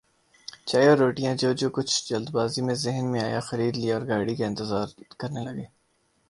چائے اور روٹیاں جو جو کچھ جلد بازی میں ذہن میں آیا خرید لیااور گاڑی کا انتظار کرنے لگے ۔